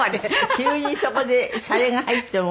急にそこでシャレが入っても。